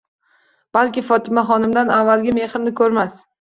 Balki Fotimaxonimdan avvalgi mehrni ko'rmas...